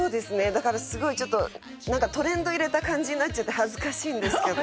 だからすごいちょっとなんかトレンド入れた感じになっちゃって恥ずかしいんですけど。